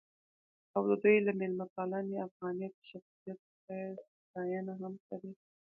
او د دوي له میلمه پالنې ،افغانيت ،شخصیت څخه يې ستاينه هم کړې.